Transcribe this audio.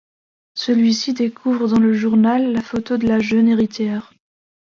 Celui-ci découvre dans le journal la photo de la jeune héritière.